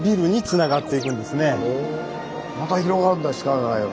また広がるんだ地下街が。